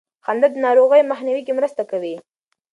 خندا د ناروغیو مخنیوي کې مرسته کوي.